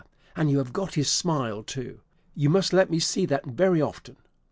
and you have got his smile too! You must let me see that very often."